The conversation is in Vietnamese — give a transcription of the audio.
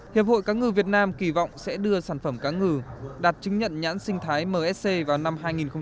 hiệp hội cá ngừ việt nam kỳ vọng sẽ đưa sản phẩm cá ngừ đạt chứng nhận nhãn sinh thái msc vào năm hai nghìn hai mươi